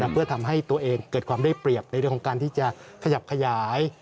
เพื่อทำให้ตัวเองเกิดความได้เปรียบในเรื่องของการที่จะขยับขยาย